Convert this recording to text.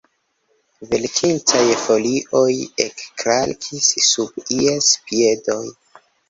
Velkintaj folioj ekkrakis sub ies piedoj.